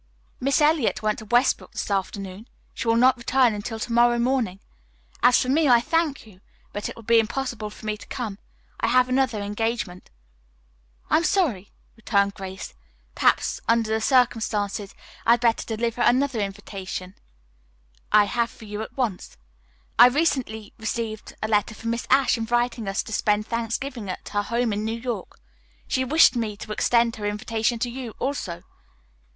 "Miss Eliot went to Westbrook this afternoon. She will not return until to morrow morning. As for me, I thank you, but it will be impossible for me to come. I have another engagement." "I am sorry," returned Grace. "Perhaps, under the circumstances, I had better deliver another invitation I have for you at once. I recently received a letter from Miss Ashe inviting us to spend Thanksgiving at her home in New York. She wished me to extend her invitation to you, also.